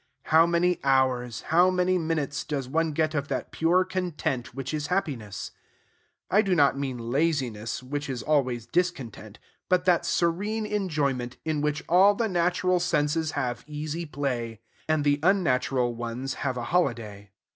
How many hours, how many minutes, does one get of that pure content which is happiness? I do not mean laziness, which is always discontent; but that serene enjoyment, in which all the natural senses have easy play, and the unnatural ones have a holiday.